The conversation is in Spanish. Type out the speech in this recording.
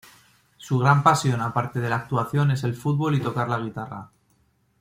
Su gran pasión aparte de la actuación es el fútbol y tocar la guitarra.